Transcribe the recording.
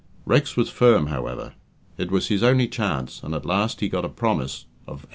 Rex was firm, however; it was his only chance, and at last he got a promise of £80.